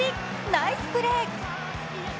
ナイスプレー。